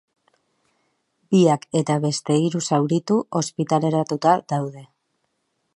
Biak eta beste hiru zauritu ospitaleratuta daude.